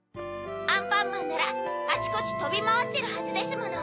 アンパンマンならあちこちとびまわってるはずですもの。